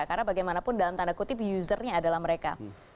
karena bagaimanapun dalam tanda kutip usernya adalah mereka